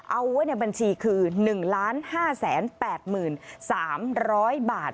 เอาไว้ในบัญชีคือ๑๕๘๓๐๐บาท